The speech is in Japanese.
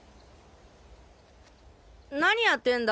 何やってんだ？